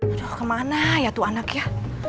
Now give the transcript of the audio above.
udah kemana ya tuh anaknya